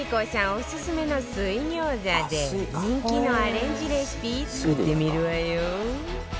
オススメの水餃子で人気のアレンジレシピ作ってみるわよ